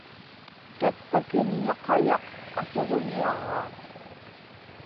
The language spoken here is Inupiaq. tatpakimña qayaq atuġniaġaa